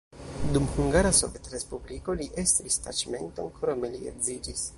Dum Hungara Sovetrespubliko li estris taĉmenton, krome li edziĝis.